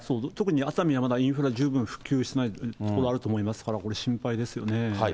特に熱海はまだインフラ十分復旧してない所あるかと思いますから、これ、心配ですよね。